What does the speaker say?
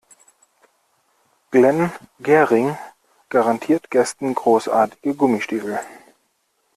Glenn Gehring garantiert Gästen großartige Gummistiefel.